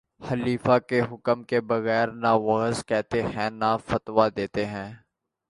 خلیفہ کے حکم کے بغیر نہ وعظ کہتے تھے اور نہ فتویٰ دیتے تھے